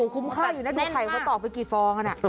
คุ้มค่าอยู่นะดูไข่เขาตอกไปกี่ฟอง